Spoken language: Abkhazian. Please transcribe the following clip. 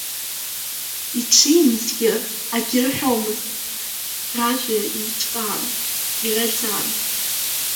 Иҽеимзгьы агьырҳәомызт, ражәа еиҿкаан, ираӡан.